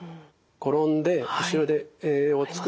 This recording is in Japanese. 転んで後ろで手をつく。